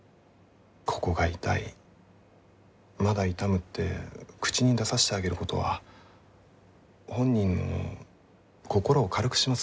ここが痛いまだ痛むって口に出さしてあげることは本人の心を軽くします。